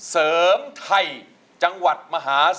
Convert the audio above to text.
เพื่อจะไปชิงรางวัลเงินล้าน